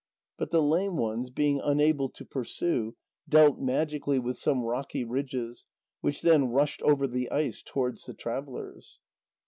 But the lame ones, being unable to pursue, dealt magically with some rocky ridges, which then rushed over the ice towards the travellers.